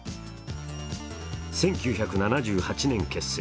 １９７８年結成。